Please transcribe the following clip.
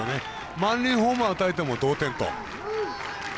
満塁ホームランを打たれても同点と。